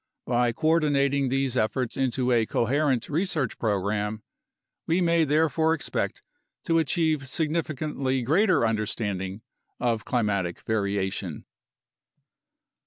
By co ordinating these efforts into a coherent research program, we may therefore expect to achieve significantly greater understanding of climatic variation.